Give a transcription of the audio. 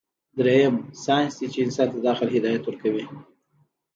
دريم سائنس دے چې انسان ته د عقل هدايت ورکوي